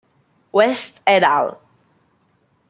West "et al.